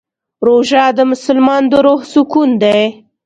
روژه د مسلمان د روح سکون دی.